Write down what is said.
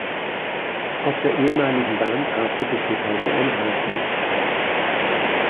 Auf der ehemaligen Bahntrasse besteht heute ein Radweg.